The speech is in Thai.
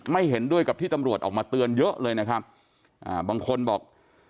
เห็นด้วยกับที่ตำรวจออกมาเตือนเยอะเลยนะครับอ่าบางคนบอก